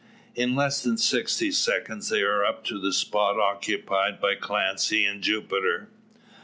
In less than sixty seconds they are up to the spot occupied by Clancy and Jupiter.